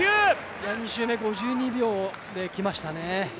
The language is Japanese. ２周目５２秒できましたね。